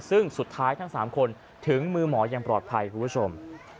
ซึ่งสุดท้ายทั้ง๓คนถึงมือหมอยังปลอดภัยคุณผู้ชม